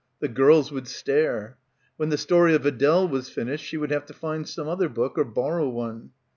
The girls would stare. When "The Story of Adele" was finished she would have to find some other book; or borrow one.